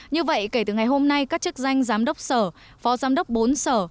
như vậy kể từ ngày hôm nay các chức danh giám đốc sở phó giám đốc bốn sở